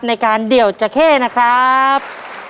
รายการเดี่ยวจะแค่นะครับ